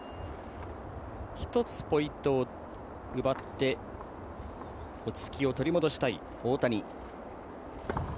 １つ、ポイントを奪って落ち着きを取り戻したい大谷。